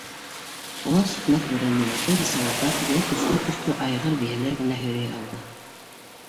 Ҡолас етмәҫ бүрәнәләрҙе лесовоздар йә көслө-көслө айғыр-бейәләр генә һөйрәй алды.